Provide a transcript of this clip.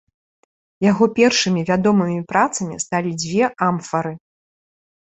Яго першымі вядомымі працамі сталі дзве амфары.